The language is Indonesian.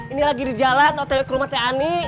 ini lagi di jalan otelnya ke rumah teh ani